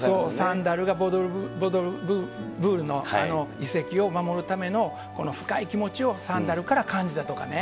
サンダルが、の遺跡を守るための深い気持ちをサンダルから感じたとかね。